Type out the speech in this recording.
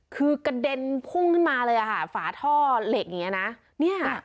คือกระเด็นพุ่งขึ้นมาเลยอ่ะค่ะฝาท่อเหล็กอย่างนี้นะเนี่ย